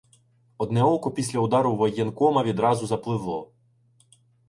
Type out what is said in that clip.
Одне око після удару воєн- кома відразу запливло.